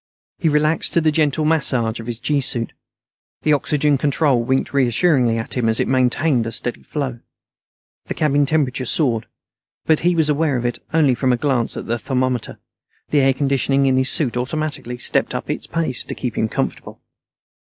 He relaxed to the gentle massage of his gee suit. The oxygen control winked reassuringly at him as it maintained a steady flow. The cabin temperature soared, but he was aware of it only from a glance at a thermometer; the air conditioning in his suit automatically stepped up its pace to keep him comfortable.